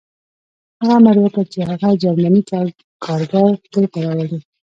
هغه امر وکړ چې هغه جرمنی کارګر دلته راولئ